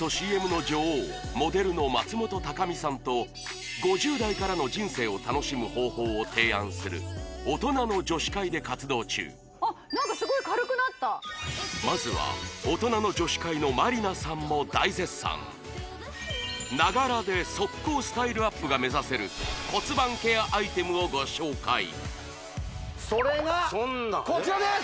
ＣＭの女王モデルの松本孝美さんと５０代からの人生を楽しむ方法を提案する大人の女史会で活動中まずは大人の女史会の満里奈さんも大絶賛ながらで即効スタイルアップが目指せる骨盤ケアアイテムをご紹介それがこちらです